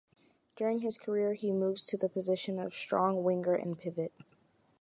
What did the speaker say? During his career he moves to the position of strong winger and pivot.